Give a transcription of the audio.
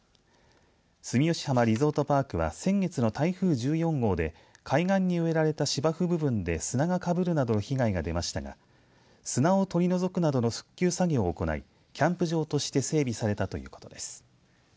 住吉浜リゾートパークは先月の台風１４号で海岸に植えられた芝生部分で砂がかぶるなどの被害が出ましたが砂を取り除くなどの復旧作業を行いキャンプ場として整備されたということです。